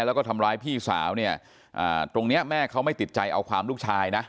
แล้วก็ทำร้ายพี่สาวเนี่ยตรงเนี้ยแม่เขาไม่ติดใจเอาความลูกชายนะ